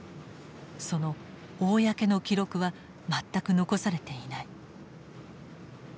その公の記録は全く残されていない。